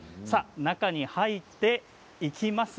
中に入っていきます。